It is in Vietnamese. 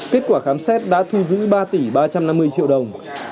kết quả khám xét đã thu giữ ba tỷ ba trăm năm mươi triệu đồng